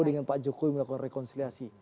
dengan pak jokowi melakukan rekonsiliasi